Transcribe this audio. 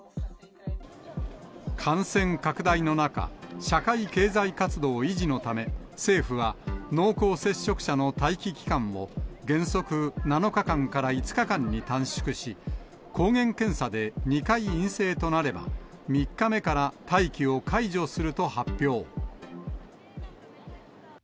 感染拡大の中、社会経済活動維持のため、政府は濃厚接触者の待機期間を原則７日間から５日間に短縮し、抗原検査で２回陰性となれば、３日目から待機を解除すると発表。